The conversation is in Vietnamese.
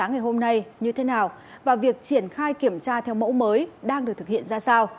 ngày hôm nay như thế nào và việc triển khai kiểm tra theo mẫu mới đang được thực hiện ra sao